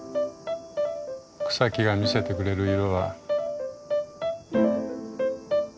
草木が見せてくれる色は。